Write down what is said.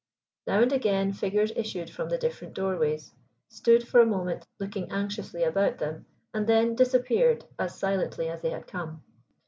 Now and again figures issued from the different doorways, stood for a moment looking anxiously about them, and then disappeared as silently as they had come.